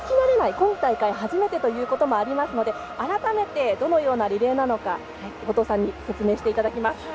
今大会初めてということもあるので改めてどのようなリレーなのか後藤さんに説明していただきます。